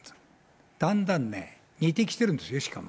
だんだんね、似てきてるんですよ、しかも。